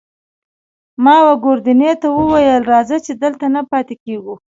ما وه ګوردیني ته وویل: راځه، چې دلته نه پاتې کېږو.